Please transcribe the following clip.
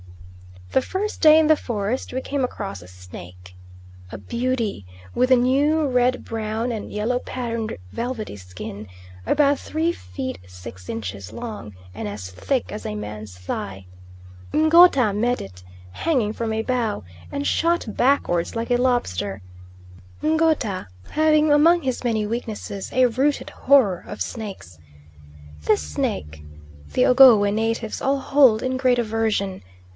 The first day in the forest we came across a snake a beauty with a new red brown and yellow patterned velvety skin, about three feet six inches long and as thick as a man's thigh. Ngouta met it, hanging from a bough, and shot backwards like a lobster, Ngouta having among his many weaknesses a rooted horror of snakes. This snake the Ogowe natives all hold in great aversion.